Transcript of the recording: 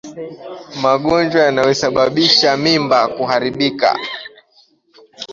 Magonjwa yanayosababisha mimba kuharibika